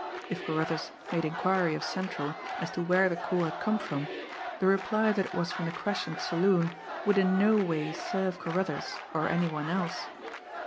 If Carruthers made inquiry of central as to where the call had come from, the reply that it was from the Crescent saloon would in no way serve Carruthers, or any one else.